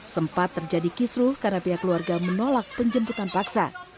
sempat terjadi kisruh karena pihak keluarga menolak penjemputan paksa